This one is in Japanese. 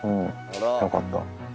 よかった。